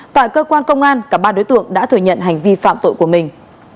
tại cơ quan công an cả ba đối tượng đã thừa nhận hành vi phạm tội của mình